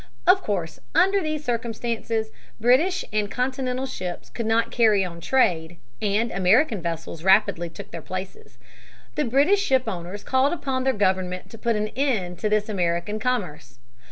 Of course under these circumstances British and Continental ships could not carry on trade, and American vessels rapidly took their places. The British shipowners called upon their government to put an end to this American commerce.